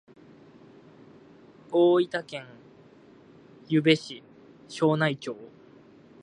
大分県由布市庄内町